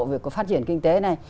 về phát triển kinh tế này